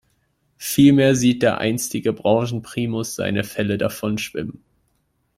Vielmehr sieht der einstige Branchenprimus seine Felle davonschwimmen.